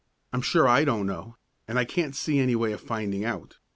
I'm sure I don't know, and I can't see any way of finding out.